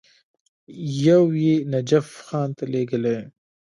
یو یې نجف خان ته لېږلی.